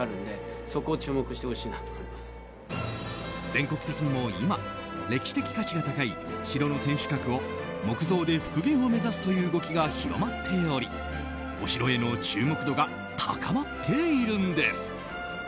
全国的にも今歴史的価値が高い城の天守閣を木造で復元を目指すという動きが広まっておりお城への注目度が高まっているんです。